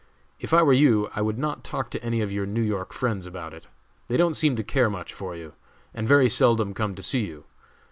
If I were you, I would not talk to any of your New York friends about it. They don't seem to care much for you, and very seldom come to see you.